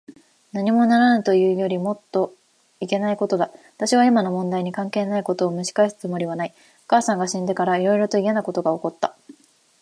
なんにもならぬというよりもっといけないことだ。わしは今の問題に関係ないことをむし返すつもりはない。お母さんが死んでから、いろいろといやなことが起った。